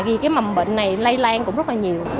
vì cái mầm bệnh này lây lan cũng rất là nhiều